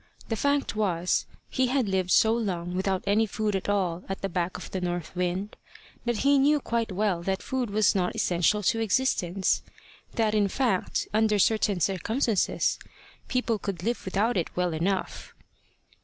The fact was he had lived so long without any food at all at the back of the north wind, that he knew quite well that food was not essential to existence; that in fact, under certain circumstances, people could live without it well enough.